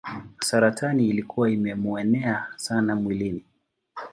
Saratani ilikuwa imemuenea sana mwilini.